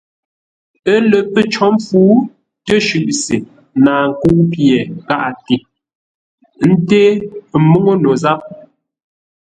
Ə́ lə pə́ cǒ mpfu, təshʉʼ se naa nkə́u pye gháʼate, ńté múŋú no záp.